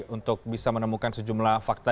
untuk bisa menemukan sejumlah fakta